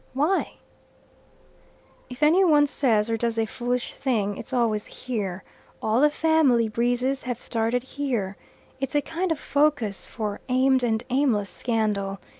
"Why?" "If any one says or does a foolish thing it's always here. All the family breezes have started here. It's a kind of focus for aimed and aimless scandal.